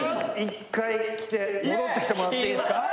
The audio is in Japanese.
１回着て戻ってきてもらっていいっすか？